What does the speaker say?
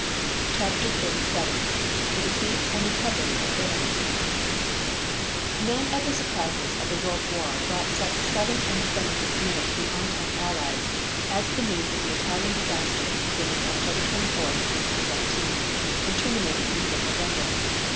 CHAPTER XXXVII THE DEFEAT AND RECOVERY OF ITALY None of the surprises of the World War brought such sudden and stunning dismay to the Entente Allies as the news of the Italian disaster beginning October 24, 1917, and terminating in mid November.